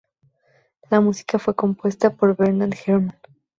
La música fue compuesta por Bernard Herrmann.